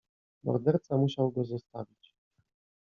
"Morderca musiał go zostawić."